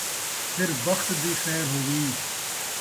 سر بخت دی خیر ہووی